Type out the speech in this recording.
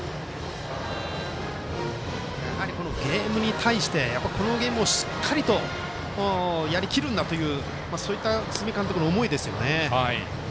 ゲームに対してこのゲームをしっかりと、やりきるんだというそういった堤監督の思いですよね。